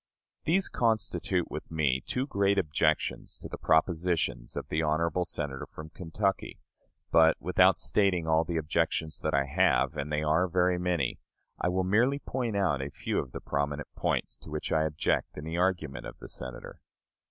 These constitute with me two great objections to the propositions of the honorable Senator from Kentucky; but, without stating all the objections that I have, and they are very many, I will merely point out a few of the prominent points to which I object in the argument of the Senator.